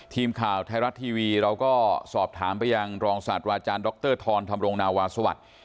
ทีมข่าวไทยรัฐทีวีเราก็สอบถามไปยังรองศาสตราจารย์ดรธรธรรมรงนาวาสวัสดิ์